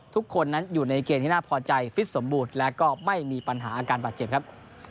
ทุกคนนั้นอยู่ในเกณฑ์ที่น่าพอใจฟิตสมบูรณ์และก็ไม่มีปัญหาอาการบาดเจ็บครับ